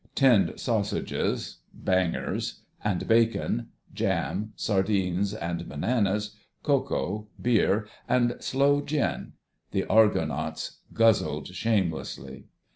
Tinned sausages ("Bangers") and bacon, jam, sardines and bananas, cocoa, beer, and sloe gin: the Argonauts guzzled shamelessly.